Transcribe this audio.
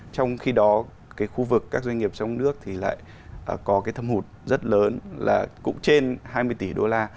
trong khi đó cái khu vực các doanh nghiệp trong nước thì lại có cái thâm hụt rất lớn là cũng trên hai mươi tỷ đô la